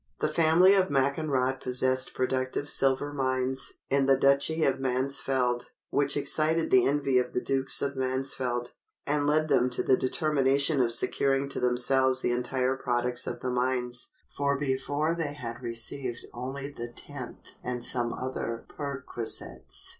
The family of Mackenrot possessed productive silver mines in the duchy of Mansfeld, which excited the envy of the dukes of Mansfeld, and led them to the determination of securing to themselves the entire products of the mines, for before they had received only the tenth and some other perquisites.